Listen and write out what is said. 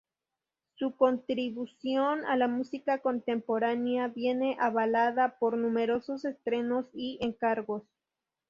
Su contribución a la música contemporánea viene avalada por numerosos estrenos y encargos.